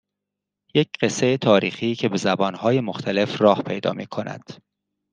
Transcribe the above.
یک قصه تاریخی که به زبانهای مختلف راه پیدا میکند